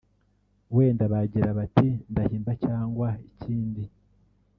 wenda bagira bati ndahimba cyangwa ikindi